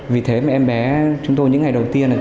vì thế mà em bé chúng tôi những ngày đầu tiên